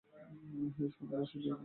হেই শোনো, বাসায় গিয়ে বিশ্রাম নাও।